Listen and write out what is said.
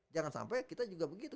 jangan sampai kita juga begitu